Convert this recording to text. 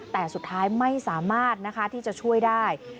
แต่สุดท้ายไม่สามารถที่จะช่วยได้